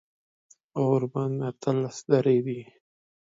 غوربند اتلس درې دی